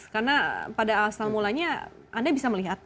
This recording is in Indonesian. karena pada awal mulanya anda bisa melihat